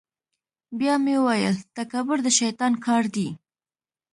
بیا مې ویل تکبر د شیطان کار دی.